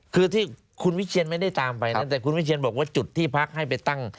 คือที่คุณวิเชียนไม่ได้ตามไปนะแต่คุณวิเชียนบอกว่าจุดที่พักให้ไปตั้ง